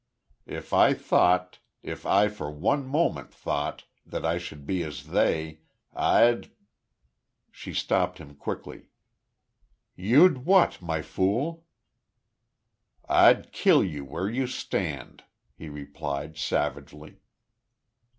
If I thought if I for one moment thought that I should be as they, I'd " She stopped him, quickly: "You'd what, My Fool?" "I'd kill you where you stand!" he replied, savagely.